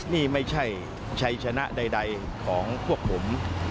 นี่ไม่ใช่ชัยชนะใดของพวกผม